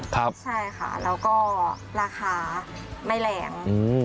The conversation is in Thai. ไม่แหล่ง